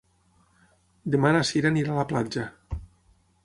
Demà na Sira anirà a la platja.